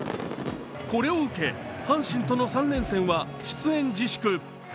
これを受け、阪神との３連戦は出演自粛。